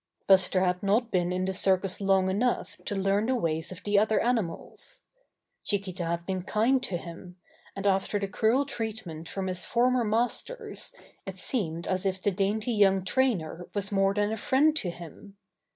Buster had not been in the circus long enough to learn the ways of the other animals. Chiquita had been kind to him, and after the cruel treatment from his former masters it seemed as if the dainty young trainer was more than a friend to him.